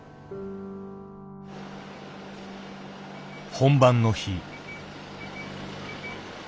本番の日。